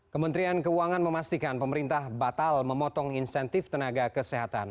kementerian keuangan memastikan pemerintah batal memotong insentif tenaga kesehatan